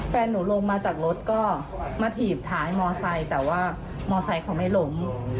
แฟนหนูลงมาจากรถก็มาถีบท้ายมอไซค์แต่ว่ามอไซค์เขาไม่ล้ม